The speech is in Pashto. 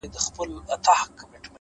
جلوه مخې په اوو فکرو کي ډوب کړم;